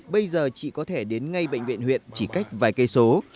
bây giờ chị có thể đến ngay bệnh viện huyện chỉ cách vài cây số